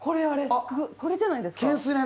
これじゃないですか？